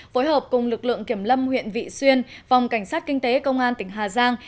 phối hợp cùng lực lượng kiểm lâm huyện vị xuyên phòng cảnh sát kinh tế công an tỉnh hà giang